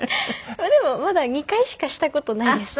でもまだ２回しかした事ないです。